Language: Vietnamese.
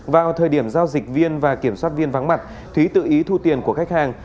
vào thời điểm giao dịch viên và kiểm soát viên vắng mặt thúy tự ý thu tiền của khách hàng